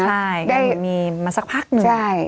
ใช่ก็มีมาสักพักหนึ่ง